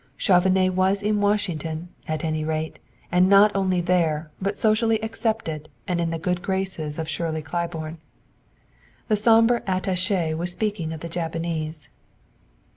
Chauvenet was in Washington, at any rate, and not only there, but socially accepted and in the good graces of Shirley Claiborne. The somber attaché was speaking of the Japanese.